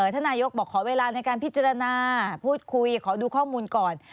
ท่านนายกบอกขอเวลาในการพิจารณาพูดคุยขอดูข้อมูลก่อน